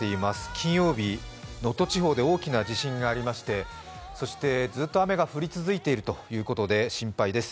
金曜日、能登地方で大きな地震がありまして、そしてずっと雨が降り続いているということで心配です。